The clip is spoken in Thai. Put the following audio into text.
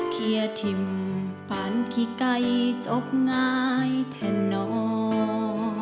เขียนทิมผ่านขี้ไก่จบง่ายแท่น้อง